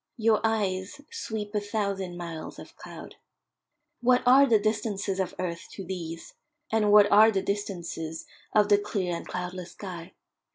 Your eyes sweep a thousand miles of cloud. What are the distances of earth to these, and what are the distances of the clear and cloudless sky?